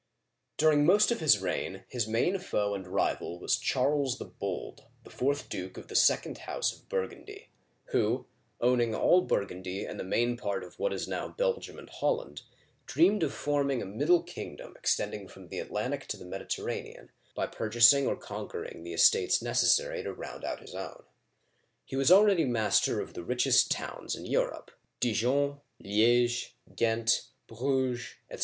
During most of his reign, his main foe and rival was Charles the Bold, the fourth duke of the second house of Burgundy, who, owning all Burgundy and the main part of what is now Belgium and Holland, dreamed of form ing a middle kingdom extending from the Atlantic to the Mediterranean, by purchasing or conquering the estates necessary to round out his own. As he was already master of the richest towns in Europe (Dijon, Liege, Ghent, Bruges, etc.)